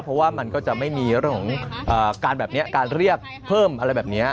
เพราะว่ามันก็จะไม่มีเรื่องของการแบบนี้การเรียกเพิ่มอะไรแบบนี้